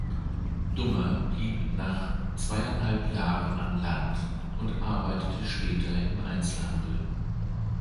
Dummer blieb nach zweieinhalb Jahren an Land und arbeitete später im Einzelhandel.